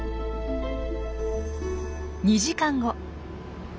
２時間後。